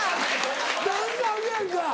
何かあるやんか。